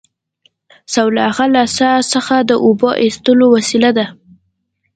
سلواغه له څا څخه د اوبو ایستلو وسیله ده